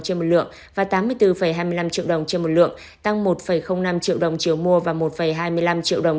trên một lượng và tám mươi bốn hai mươi năm triệu đồng trên một lượng tăng một năm triệu đồng triệu mua và một hai mươi năm triệu đồng